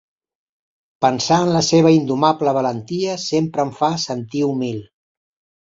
Pensar en la seva indomable valentia sempre em fa sentir humil.